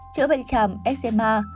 chữa bệnh tràm eczema